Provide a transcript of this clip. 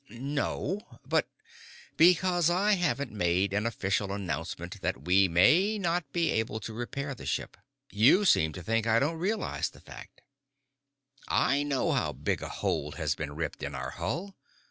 "No. But " "Because I haven't made an official announcement that we may not be able to repair the ship, you seem to think I don't realize the fact. I know how big a hole has been ripped in our hull.